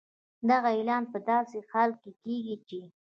دغه اعلان په داسې حال کې کېږي چې